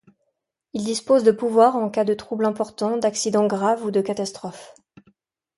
Il dispose de pouvoirs en cas de troubles importants, d'accidents graves ou de catastrophe.